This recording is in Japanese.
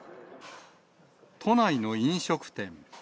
都内の飲食店。